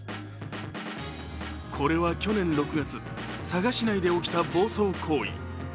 これは去年６月、佐賀市内で起きた暴走行為。